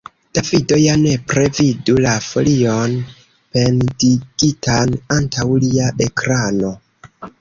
Davido ja nepre vidu la folion pendigitan antaŭ lia ekrano.